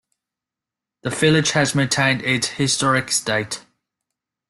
The village has maintained its historic state.